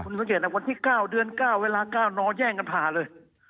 คุณสังเกตนะวันที่๙เดือน๙เวลา๙นอแย่งกันผ่าเลย